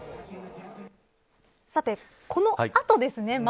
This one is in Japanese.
さて、この後ですね。